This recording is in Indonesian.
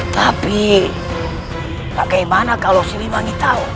tapi bagaimana kalau siliwangi tahu